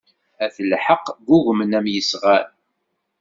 At lḥeqq ggugmen am yesɣan.